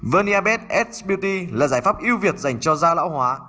verniabed s beauty là giải pháp yêu việt dành cho da lão hóa